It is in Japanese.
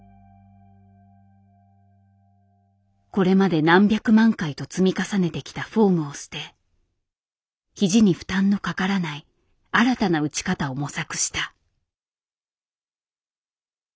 これまで何百万回と積み重ねてきたフォームを捨て肘に負担のかからない新たな打ち方を模索した。